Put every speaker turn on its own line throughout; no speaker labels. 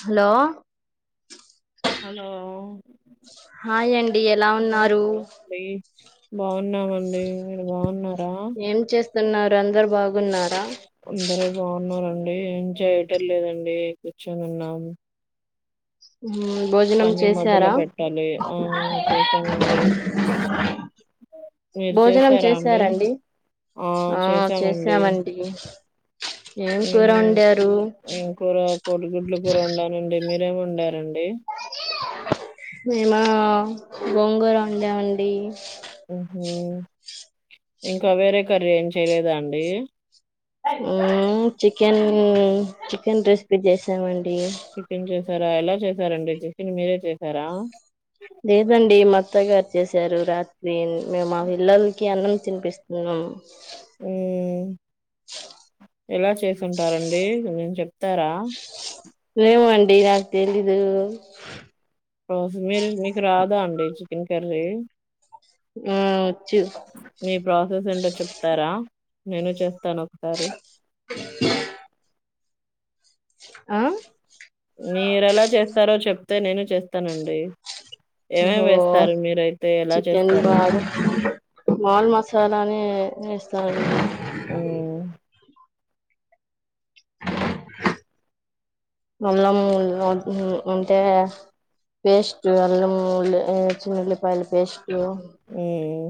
హాల్లో
hello
hi అండి ఎలా ఉన్నారు
బావు ఉన్నామండి మీరు బావున్నారా
తున్నారందరు బాగున్నారా
అందరూ బాగున్నారండి ఏం చేయటం లేదండి కూర్చొనున్నాము
మ్మ్ భోజనం
మొదలు
చేసారా
పెట్టాలి ఆ చేసామండి మీరు
భోజనం
చేసారా అండి
చేసారండి
ఆ ఏం
కూర వండారు
ఏమ్ కూర కోడిగుడ్ల కూర వొండానండి మీరేమి వొండారండి
మేమా గోంగూర వొండామండి
మ్మ్ హ్మ్ ఇంకా వేరే కర్రీ ఏం చేయలేదా అండి
మ్మ్ చికెన్ చికెన్ రెసిపీ చేసామండి
ఇంకెం చేస్ మీరెలా చేసారండి చికెన్ మీరే చేసారా
లేదండి మత్తగారు చేసారు రాత్రి మేము మా పిల్లలకి అన్నం తినిపిస్తున్నాము
మ్మ్ ఎలా చేసుంటారండి కొంచెం చెప్తారా
ఏమో అండి నాకు తెలీదూ
రోజ్ మిల్ మీకు రాదా అండి చికెన్ కర్రీ
మ్మ్ చు
మీ ప్రాసెస్ ఏంటో చెప్తారా మెను చెప్ త్తనొ ఒకసారి
ఆ
మీరెలా చేస్తారో చెప్ తే నేను చేస్తానండి ఏమేమి వేస్తారు మీరైతే? ఎలా
చికెన్
చేస్తారు?
బాగా మాల్ మసాలా అని ఎస్తాంమండి
హ్మ్
అల్లం ఆమ్ అంటే పేస్ట్ అల్లం ఉల్ ఉల్లిపాయల పేస్ట్
హ్మ్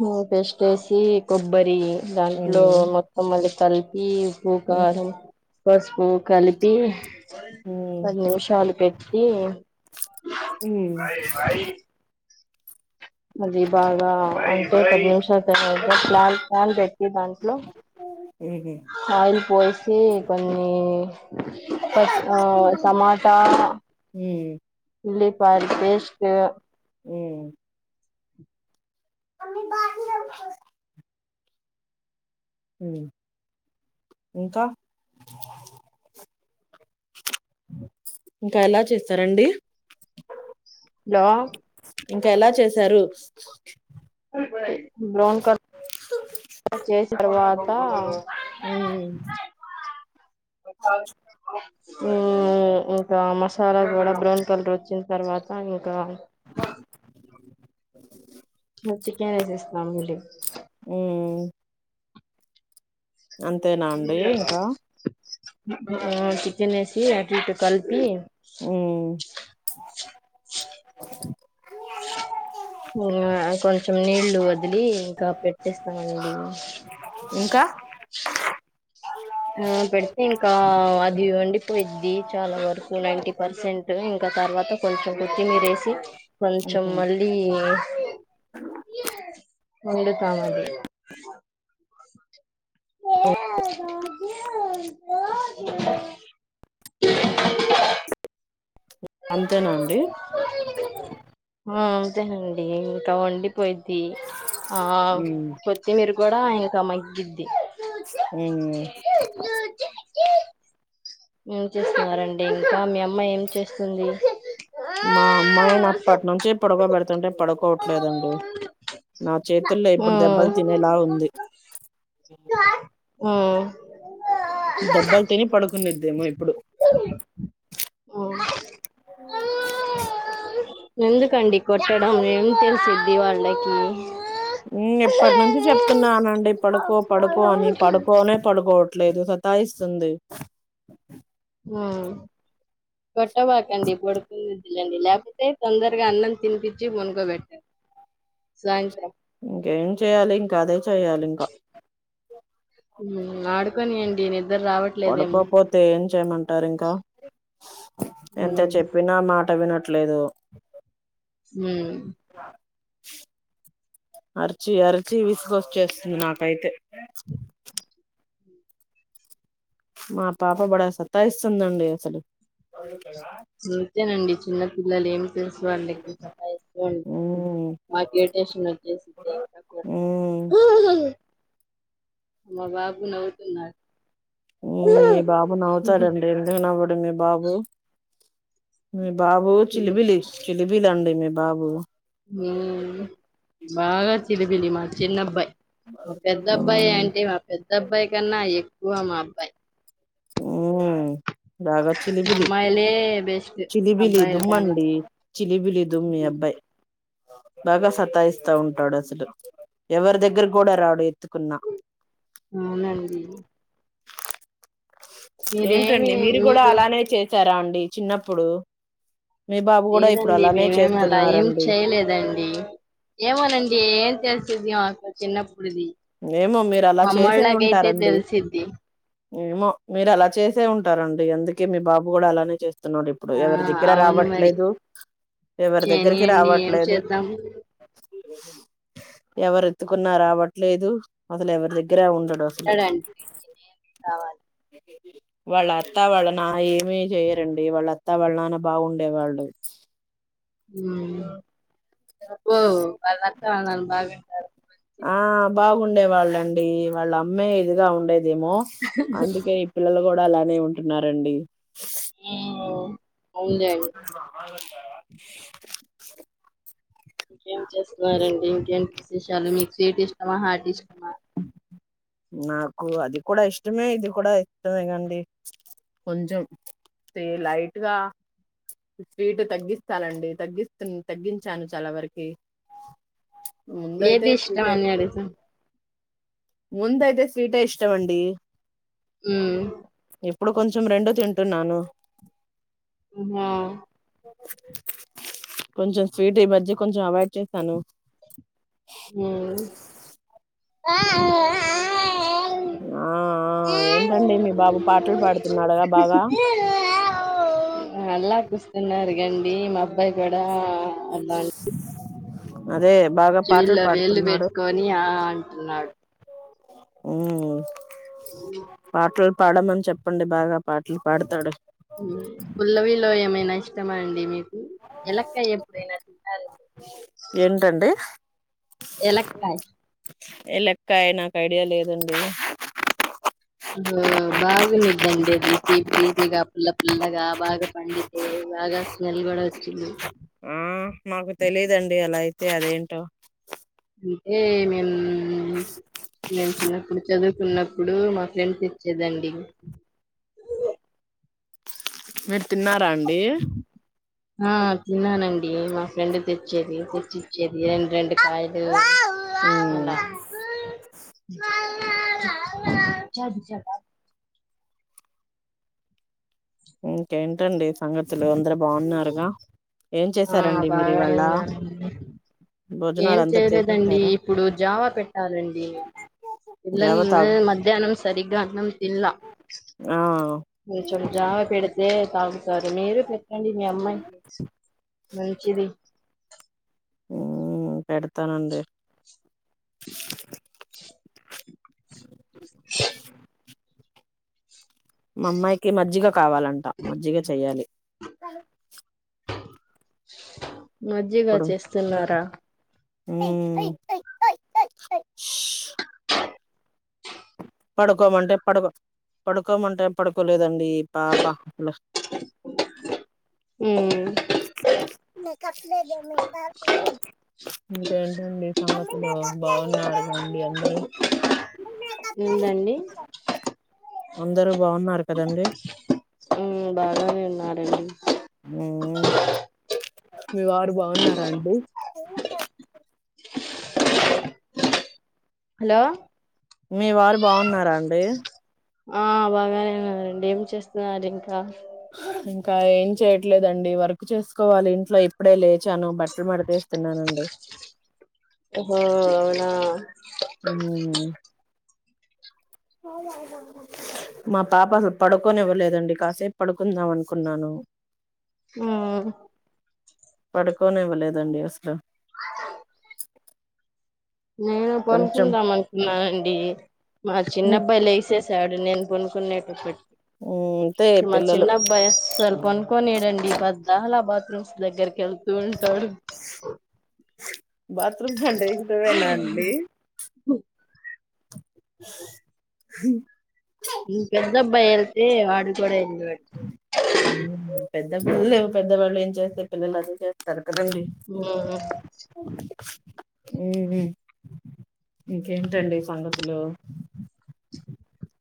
మ్మ్ పేస్ట్ వేసి కొబ్బరి దాంట్లో
హ్మ్.
మొత్తం మళ్ళీ తలిపి పూ
హ్మ్.
కారం పసుపు కలిపి
హ్మ్.
పది నిమిషాలు పెట్టి
హ్మ్.
అది బాగా అంటే పది నిమిషాల తరువాత ప్లాల్ పాల్ పెట్ దాంట్లో
హుహు.
ఆయిల్ పోసి కొన్ని కట్ టమాటా
హ్మ్.
ఉల్లి పెస్ట్ [unintelligible]
ఏ మమ్మీ [unintelligible] ఇంకా ఇంకా ఎలా చేస్తారండి
హలో
ఇంకా ఎలా చేశారు
బ్రౌన్ కలర్ చేసిన తర్వాత
హ్మ్.
[unintelligible] ఇంకా మసాలా కూడా బ్రౌన్ కలర్ వచ్చిన తర్వాత ఇంకా
[inaudible]
చికెన్ రైస్ ఇస్తాంీ
హ్మ్. అంతేనా అండి ఇంకా
చికెన్ ఎేసి అట్ ఇట్ కలిపి
హ్మ్.
ఆ కొంచెం నీళ్లు వదిలి ఇంకా పెట్టేస్తామండి
ఇంకా
ఆ పెడు ఇంకా అది వండి పోయిద్ది చాలా వరకు నైన్టీ పర్సెంట్ ఇంకా తర్వాత కొంచెం కొత్తిమీర వేసి కొంచెం మళ్ళీ వండుతామది హ రాజ [unintelligible]
అంతేనా అండి
ఆ అంతేనండి ఇంకా వండి పోయిద్ది ఆ కొత్తిమీర కూడా ఇంకా మగ్గిది
ఉ హు
ము గుచ్చి [unintelligible] ఏం చేస్తున్నారండి ఇంకా మీ అమ్మాయి ఏం చేస్తుంది
మా అమ్మాయి నప్పటి నుంచి పడకోబెడుతుంటే పడుకోవట్లేదండి నా చేతి చేతుల్లో
ఆ
ఇప్పుడు దెబ్బలు తినేలా ఉంది
ఉ
దెబ్బల్ తిని పడుకు కొనిద్దేమో ఇప్పుడు ఓ
ఎందుకండి కొట్టడం ఏం తెలుసిద్ది వాళ్ళకి
ఎప్పటి నుంచి చెప్తున్నానండి పడుకో పడుకో అని పడుకోనే పడుకోవట్లేదు సతాయిస్తుంది
ఆ కొట్టబాకండి పడుకుందిదెలేండి లేకపోతే తొందరగా అన్నం తినిపిచ్చి పనుకో బెట్టండి సాయంత్రం
ఇంకేం చెయాలి ఇంకా అదే చెయ్యాలి ఇంకా
ఉమ్ ఆడుకొనియండి ని
పడుకోపోతే ఏం చేయమంటారు ఇంకా ఎంత
హ్మ్.
చెప్పినా మాట మాట్ట వినట్లేదు
హమ్
అరిచి అరిచి విసుగొచేస్తుంది నాకైతే మా పాప బడా సత్తాయిస్తుందండి అసలు
సుత్తెనండి చిన్న పిల్లలే ఏం ఎమి తెలుసు వాళ్ళకి సత్తాయిస్తు ఉంటారు
ఉమ్
నాకు ఇరిటేషన్ వచేసిద్ది ఇంకా కోపం
ఉమ్
అ మా బాబు నవ్వుతున్నారు
ఉమ్ మీ బాబు నవ్వుతాడండి ఎందుకు నవ్వాడు మీ బాబు మీ బాబు చిలిబిలి చిలిబిలండి మీ బాబు
ఉమే బాగా చిలిబిలి మా చిన్నబ్బాయి మా పెద్దబ్బాయి
ఉమ్
అంటే మా పెద్దబ్బాయి కన్నా ఎక్కు మా అబ్బాయి
ఉమ్ బాగా చిలిబిలి
అమ్మాయిలే బెస్ట్
చిలిబిలి
అబ్బాయిల కన్నా.
దుమ్మండి చిలిబిలి దుమ్ మీ
హ్మ్.
అబ్బాయి బాగా సతాయిస్తా ఉంటాడు ఎవరి దగ్గర కూడా రాడు ఎత్తుకున్నా
అవునండి మీరేమి
ఏంటండి మీరు కూడా
మీకు
అలానే చేశారా అండి మీ చిన్నప్పుడు మీ బాబు కూడా ఇప్పుడు
లేదండి
అలానే
మేమేమ్ అలా ఏం
చేస్తున్నారండి
చేయలేదండి ఏమోనండి ఏమ్ తెలిసిద్ది మాకు చిన్నప్పు
ఏమో మీరలా చేసే ఉంటారండి
తెలిసిద్ది
ఏమో మీరలా చేసే ఉంటారండి అందుకే మీ బాబు కూడా అలానే చేస్తున్ స్తున్నాడు ఇప్పుడు
ఆ
ఎవరి దగ్గర
అవును మరి
రావట్లేదు ఎవరి దగ్గరికి
చేయనియండి ఏం
రావట్లేదు
చేద్దాం
ఎవరెత్తుకున్న రావ లేదు అసలు ఎవరి దగ్గర ఉండడు అసలు
అంటాడండి కావాలి
వాళ్ళ అత్తా వాళ్ళ నా ఏమీ చేయరండి వాళ్ళ అత్తా వాళ్ళ నాన్న బాగుండే వాళ్ళు
ఉమ్ అబ్బో వాళ్ళ అత్త వాళనాన్న బాగానే ఉన్నారు.
ఉండేవాళ్ళండి వాళ్ళమ్మె ఇదిగా ఉండేది దేమో అందుకే ఈ పిల్లలు కూడా అలానే ఉంటున్నారండి స్
ఉమ్ అవునులేండి ఇంకేం చేస్తున్నారండి ఇంకేంటి విశేషాలు మీకు సీట్ ఇష్టమా హార్ట్ ఇష్టమా
నాకు అది కూడా ఇష్టమే ఇది కూడా ఇష్టమే అండి కొంచెం లైట్గా స్వీటు తగ్గిస్తాలండి తగ్గిస్తు తగ్గించాను చాలా వరకి ముందయితే
ఏది ఇష్టం అన్ని అడుగుతా-
ముందైతే స్వీటే ఇష్టం అండీ
ఉమ్
ఇప్పుడు కొంచెం రెండూ తింటున్నాను
ఆ
కొంచెం స్వీట్ ఈ మజ్యకొంచెం అవాయిడ్ చేశాను
ఉమ్
ఆ ఏంటండి మీ బాబు పాటలు పాడుతున్నాడుగా బాగా
చపిస్తున్నారు కండి మా అబ్బాయి కూడా అలాా
అదే బాగా
ఇల్
పాటలు
ఎళ్ల్
పాడుతున్నాడు
బట్కని ఆ నాట్
ఉ
అ
పాడమని చెప్పండి బాగా పాటలు పాడతాడు
పుల్లవిలో ఏమైనా ఇ ఇష్ట మండి మీకు ఎలక్కాయ ఎప్పుడయిన తిన్నార్
ఏంటండి
ఎలాక్కయి
ఏ లెక్కయ నాకు ఐడియా లేదండి
ఆ బాగుందిద్దండి అది తీీనిగా పుల్ల పుల్లగా బాగా పండితే బాగా స్మెల్ కూడా వచ్చింది
ఆ మాకు తెలిదండి అలా అయితే అదేంటో
అంటే మేము మేము చిన్నప్పుడు చదువుకున్నప్పుడు మా ఫ్రెండ్ తెచ్చేదండి
మీరు తిన్నారా అండి ఏ
ఆ తిన్నానండి మా ఫ్రెండ్ తెచ్చేది తెచ్చిచ్చేది రెండు కాయలు అలా
మ్మ్
చాడ్డు చాట
ఇంకేంటండి సంగతులు అందరు బాగున్నారుగా ఏం
ఆ
చేసారండి మీరు
బాగానే
ఇవాళ
ఉన్నారండి ఏం
భోజనాలు అందరు
చేయలేదండి
చేసేసారా
ఇప్పుడు జావ పెట్టాలండి ఇల్లన్
జావ తాగు
మధ్యానం స్ సరిగ్గా అగ్నం ఇల్ల
ఆ
కొంచం జావ పెడితే ఏ తాగు సరే మీరూ పెట్టండి మీ అమ్మాయికి మంచిది
మ్మ్ పెడతానండి మా అమ్మాయికి మజ్జిగ కావాలంట మజ్జిగ చెయ్యాలి సలు
మజ్జిగ
ఇప్పుడు
చేస్తున్నారా
మ్మ్ ష్ పడుకోమంటే పడుగు పడుకోమంటే పడుకోలేదండి ఈ పాప లా
మ్మ్
ఇంకేంటండి సంగతి బాగున్నారు అండి అందరూ
స ఏందండి
అందరు బాగున్నారు కదండి
మ్మ్ బాగానే ఉన్నారండి
మ్మ్ మీ వారు బాగున్నార అండి స
హలో
మీ వారు బాగున్నారా అండి
ఆ బాగానే ఉనరండి ఏం చేస్తున్నార్ ఇంట్లో
ఇంకా ఏం చేయట్లేదండి వర్క్ చేసుకోవాలి ఇంట్లో ఇప్పుడే లేచాను బట్టలు మడత వేస్తున్నానండి
హో అవున
మ్మ్ హ్మ్ మా పాప అసలు పడుకొనివ్వలేదండి కాసేపు పడుకుందాం అనుకున్నాను
ఉమ్
పడుకోనివ్వలేదండి అసలు
నేను
కొంచెం
పనుకుందామ అనుకున్నానండి మా
ఉమ్,
చిన్నబ్బాయి లేసేసాడు నేను కొనుక్కునేటపాటీ
అంతే
సో మా చిన్న
పిల్లలు
అబ్బాయి అసలు పనుకొనియాడు అండి పద్దాల బా రస్ దగ్గ కేళ్తూ ఉంటాడు
వేనా అండి [unintelligible]
ఏ వాడు కూడా [unintelligible]
హమ్ పెద్ద పిల్లలు పెద్దవాళ్ళు ఏం చేస్తే పిల్లలు అదే చేస్తారు కదిరి
ఉమ్
హమ్ ఇంకేంటండి సంగతులు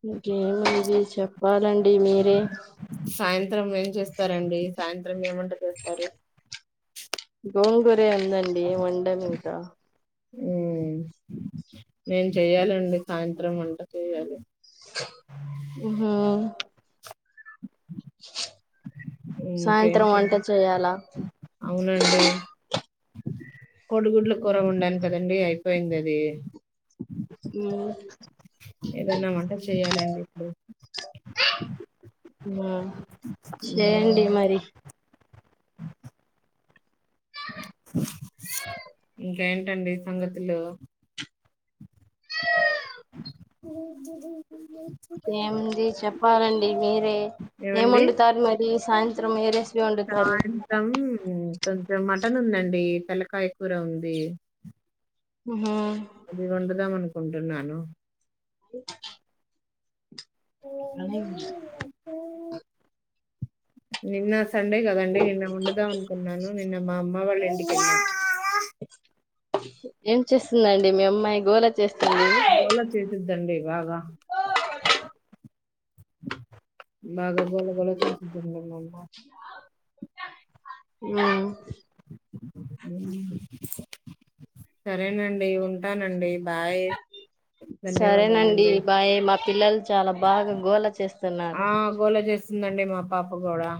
ఇంకేది చెప్ప వాలం
సాయంత్రం ఏం చేస్తారండి సాయంత్రం ఏవంట చేస్తారు
గోంగూరే ఉందండి వండం ఇంకా
హమ్ నేను చెయ్యాలండి సాయంత్రం వంట చెయాలి
హమ్ [unintelligible] సాయంత్రం వంట
ఇంకేంటండి
చేయాలా
కొడుగుడ్ల కూర
ఉమ్
ఉండాను కదండి అయి పోయిందది
హమ్ [inaudible]
ఏదన్నా వంట చెయ్యాలం [inaudible]
ఆహ్
హ్మ్
చేయండి మరి
ఇంకేంటండి సంగతులు [unintelligible]
ఏంది చెప్పాలండి మీరే ఏం
ఏవండి
వండుతారు మరి సాయంత్రం ఏ రెసిపీ వండుతారు
సాయంత్రం కొంచెం మటన్ ఉందండి తెల్లకాయ కూర ఉంది
హమ్
ఇది వండుదాం అను కుంటున్నాను
అ [unintelligible] రనీ
నిన్న సండే కదండి నిన్న వండుదాం అనుకున్నాను. నిన్న మామ మా వాళ్ళ ఇంటిక ఉయ్యాలా
ఏం చేస్తుందండి, మీ అమ్మాయి గోలా చేస్తుంది.
గోల చేసిద్దండి బాగా బాగా గోల గోల చేసిద్ద మ
ఆ
సరేనండి, ఉంటానండి బాయ్.
సరేనండి
ధన్యవాదాలండి
బాయ్. మా పిల్లలు చాలా బాగా గోళ చేస్తున్నారు.
వస్తుందండి మా పాప కూడా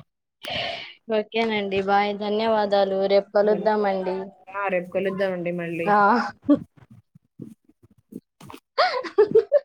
ఓకేనండి బాయ్ ధన్యవాద వద్ద రేపు కలుద్దాం
ధన్యవాదాలు
అండి
ఆ రేపు కలుద్దామండి మళ్ళీ
ఆ